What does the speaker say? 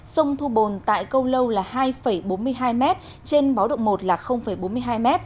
sông thu bồn tại câu lâu là hai bốn mươi hai m trên báo động một là bốn mươi hai m